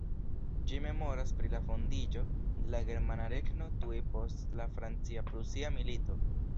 Ĝi memoras pri la fondiĝo de la Germana regno tuj post la Francia-Prusia Milito.